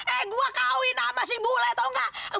eh gue kawin sama si bule tahu gak